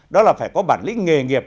đó là phải có bản lý nghề nghiệp